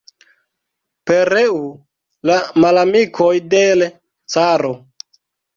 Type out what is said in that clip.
Pereu la malamikoj de l' caro!